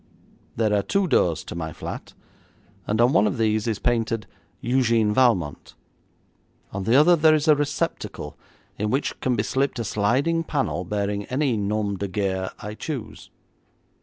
There are two doors to my flat, and on one of these is painted, 'Eugène Valmont'; on the other there is a receptacle, into which can be slipped a sliding panel bearing any nom de guerre I choose.